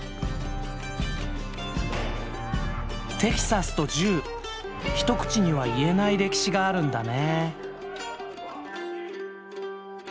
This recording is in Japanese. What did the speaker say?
テキサスと銃一口には言えない歴史があるんだね。